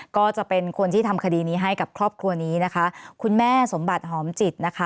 ก็จะเป็นคนที่ทำคดีนี้ให้กับครอบครัวนี้นะคะคุณแม่สมบัติหอมจิตนะคะ